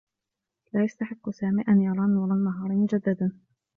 لا يستحقّ سامي أن يرى نور النّهار مجدّدا.